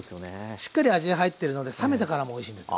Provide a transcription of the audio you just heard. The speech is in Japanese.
しっかり味入ってるので冷めてからもおいしいんですよ。